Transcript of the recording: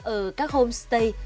ở các homestay